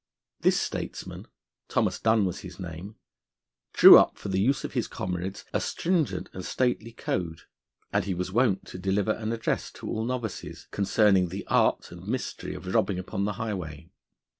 This statesman Thomas Dun was his name drew up for the use of his comrades a stringent and stately code, and he was wont to deliver an address to all novices concerning the art and mystery of robbing upon the highway.